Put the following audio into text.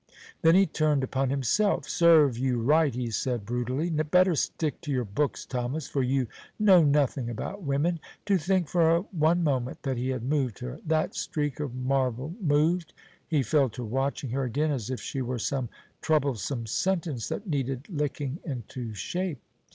Then he turned upon himself. "Serve you right," he said brutally. "Better stick to your books, Thomas, for you know nothing about women." To think for one moment that he had moved her! That streak of marble moved! He fell to watching her again, as if she were some troublesome sentence that needed licking into shape.